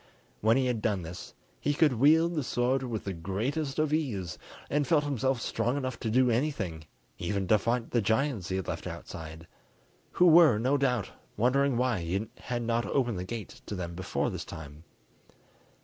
When he had done this, he could wield the sword with the greatest of ease, and felt himself strong enough to do anything, even to fight the giants he had left outside, who were no doubt wondering why he had not opened the gate to them before this time.